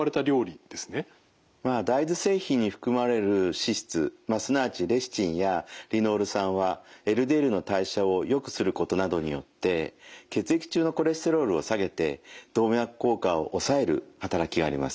大豆製品に含まれる脂質すなわちレシチンやリノール酸はＬＤＬの代謝をよくすることなどによって血液中のコレステロールを下げて動脈硬化を抑える働きがあります。